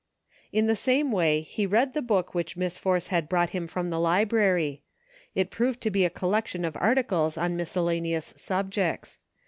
In the same way he read the book which Miss Force had brought him from the library. It proved to be a collection of articles on miscellane ous subjects.